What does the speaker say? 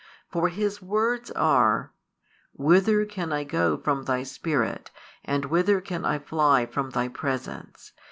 For his words are: Whither can I go from Thy Spirit, and whither can I fly from Thy Presence?